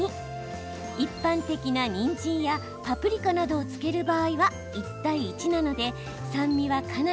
一般的なにんじんやパプリカなどを漬ける場合は１対１なので酸味はかなり控えめです。